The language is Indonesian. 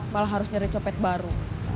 malah harus nyari copet baru